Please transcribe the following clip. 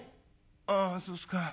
「ああそうすか。